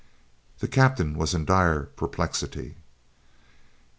The captain was in dire perplexity.